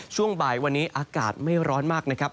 ช่วงบ่ายวันนี้อากาศไม่ร้อนมากนะครับ